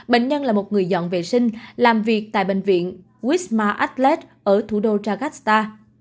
bệnh nhân là một người dọn vệ sinh làm việc tại bệnh viện wisma athlet ở thủ đô jakarta